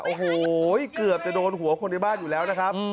โอ้โหเกือบจะโดนหัวคนในบ้านอยู่แล้วนะครับ